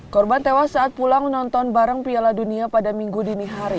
korban tewas saat pulang nonton bareng piala dunia pada minggu dini hari